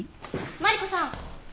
マリコさん。